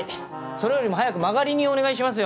それよりも早く間借り人お願いしますよ。